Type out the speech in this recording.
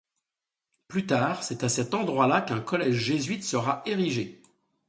Plus tard, c'est à cet endroit-là qu'un collège jésuite sera érigé.